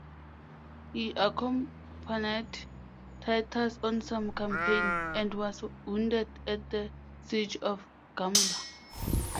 He accompanied Titus on some campaigns, and was wounded at the siege of Gamla.